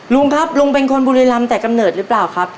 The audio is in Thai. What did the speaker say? ลุงครับลุงเป็นคนบุรีรำแต่กำเนิดหรือเปล่าครับ